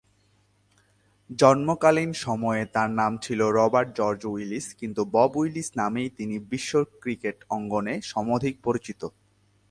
জন্মকালীন সময়ে তার নাম ছিল "রবার্ট জর্জ উইলিস"; কিন্তু বব উইলিস নামেই তিনি বিশ্ব ক্রিকেট অঙ্গনে সমধিক পরিচিত।